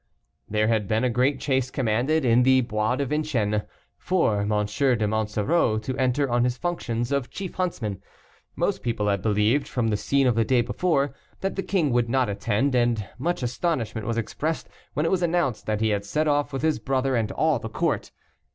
There had been a great chase commanded in the Bois de Vincennes, for M. de Monsoreau to enter on his functions of chief huntsman. Most people had believed, from the scene of the day before, that the king would not attend, and much astonishment was expressed when it was announced that he had set off with his brother and all the court.